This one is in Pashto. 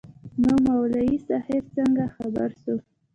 نو مولوي صاحب څنگه خبر سو.